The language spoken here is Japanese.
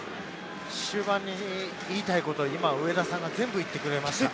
終盤に言いたいことを全部今上田さんが言ってくれました。